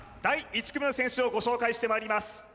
第１組の選手をご紹介してまいります